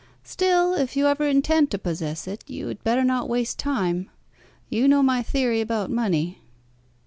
Still, if you ever intend to possess it, you had better not waste time. You know my theory about money."